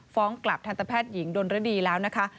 ฟ้องกลับทันตแพทย์หญิงดนรดีแล้วนะคะ